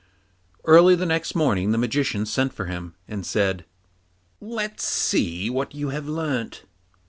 Early the next morning the Magician sent for him, and said, 'Let's see now what you've learnt.